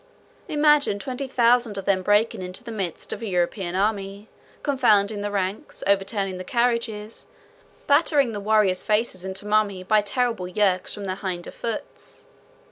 Imagine twenty thousand of them breaking into the midst of an European army, confounding the ranks, overturning the carriages, battering the warriors' faces into mummy by terrible yerks from their hinder hoofs.